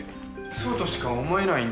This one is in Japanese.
そうとしか思えないんですよ。